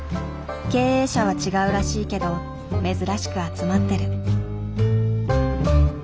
経営者は違うらしいけど珍しく集まってる。